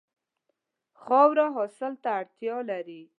خاوره حاصل ته اړتیا لري.